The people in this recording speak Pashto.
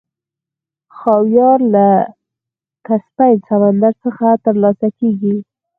خاویار له کسپین سمندر څخه ترلاسه کیږي.